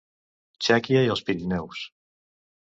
Txèquia i els Pirineus.